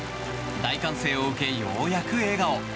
大歓声を受け、ようやく笑顔。